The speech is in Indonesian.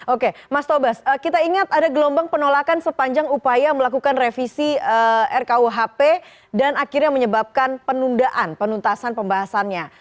oke mas tobas kita ingat ada gelombang penolakan sepanjang upaya melakukan revisi rkuhp dan akhirnya menyebabkan penundaan penuntasan pembahasannya